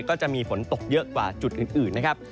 ก็จะมีฝนตกเยอะกว่าจุดอื่นนะครับ